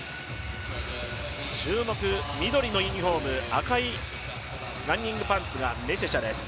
注目、緑のユニフォーム、赤いランニングパンツがメシェシャです。